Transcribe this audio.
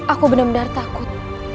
aku benar benar takut